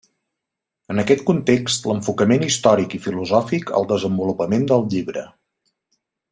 En aquest context, l'enfocament històric i filosòfic al desenvolupament del llibre.